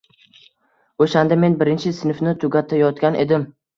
O`shanda men birinchi sinfni tugutayotgan edim